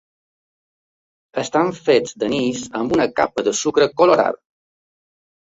Estan fets d'anís amb una capa de sucre colorada.